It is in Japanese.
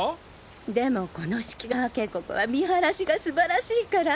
でもこの四季川渓谷は見晴らしが素晴らしいから。